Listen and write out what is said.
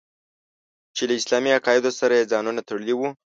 چې له اسلامي عقایدو سره یې ځانونه تړلي وو.